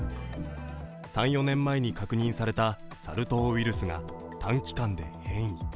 ３４年前に確認されたサル痘ウイルスが短期間で変異。